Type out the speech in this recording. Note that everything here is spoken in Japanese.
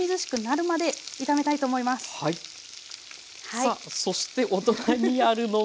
さあそしてお隣にあるのが。